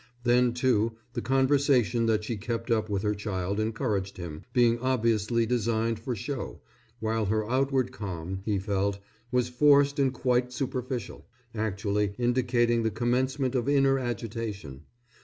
Then, too, the conversation that she kept up with her child encouraged him, being obviously designed for show, while her outward calm, he felt, was forced and quite superficial, actually indicating the commencement of inner agitation.